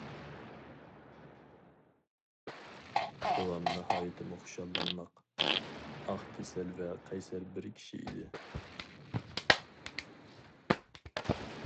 بوۋام ناھايىتىمۇ خۇشاللانماق، ئاقكېسەل ۋە قەيسەر بىر كىشى ئىدى.